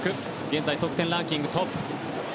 現在得点ランキングトップ。